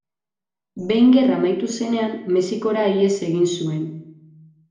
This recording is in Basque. Behin gerra amaitu zenean, Mexikora ihes egin zuen.